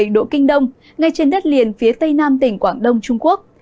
một trăm một mươi bảy độ kinh đông ngay trên đất liền phía tây nam tỉnh quảng đông trung quốc